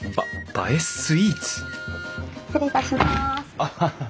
アハハッ。